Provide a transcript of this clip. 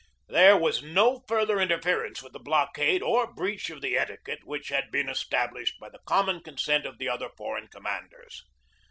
There was no further interference with the blockade or breach of the etiquette which had been established by the common consent of the other foreign commanders.